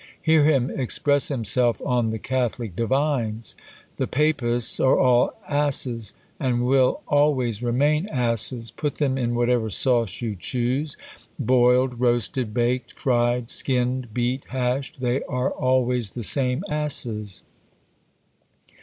Hear him express himself on the Catholic divines: "The Papists are all asses, and will always remain asses. Put them in whatever sauce you choose, boiled, roasted, baked, fried, skinned, beat, hashed, they are always the same asses."